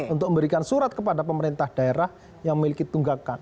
untuk memberikan surat kepada pemerintah daerah yang memiliki tunggakan